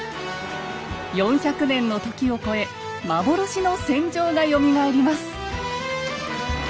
４００年の時を超え幻の戦場がよみがえります